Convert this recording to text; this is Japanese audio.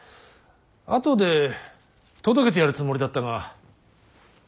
後で届けてやるつもりだったが。